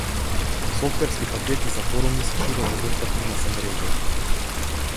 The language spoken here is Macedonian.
Софтверски пакети за форуми се широко достапни на семрежјето.